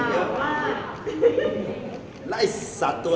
มันเป็นสิ่งที่เราไม่รู้สึกว่า